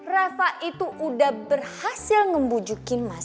reva itu udah berhasil ngebujukin mas